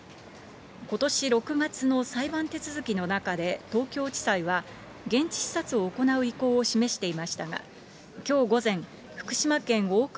ことし６月の裁判手続きの中で、東京地裁は現地視察を行う意向を示していましたが、きょう午前、福島県大熊